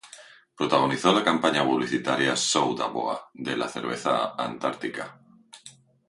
Protagonizó la campaña publicitaria "Sou da Boa", de la cerveza Antarctica.